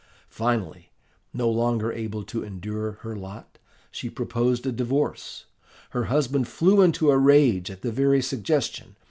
Finally, no longer able to endure her lot, she proposed a divorce. Her husband flew into a rage at the very suggestion.